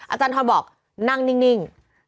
อาจารย์ทรบอกนั่งนิ่ง